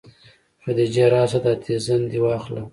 خديجې راسه دا تيزن دې واخله.